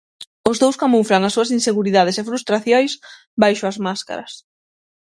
Os dous camuflan as súas inseguridades e frustracións baixo as máscaras.